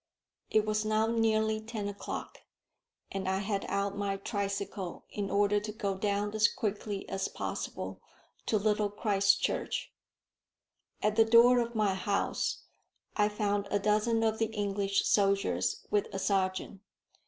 It was now nearly ten o'clock, and I had out my tricycle in order to go down as quickly as possible to Little Christchurch. At the door of my house I found a dozen of the English soldiers with a sergeant.